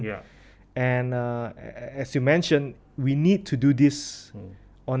ya dengan cara yang berterusan